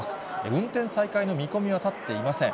運転再開の見込みは立っていません。